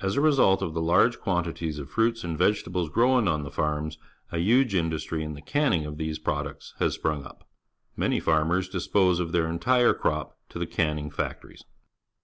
As a result of the large quantities of fruits and vegetables grown on the farms, a huge industry in the canning of these products has sprung up. Many farmers dispose of their entire crop to the canning factories.